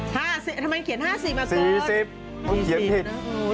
ทำไมเขียน๕๐อ่ะโต๊ะ๔๐เขียนผิด